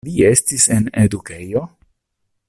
Vi estis en edukejo?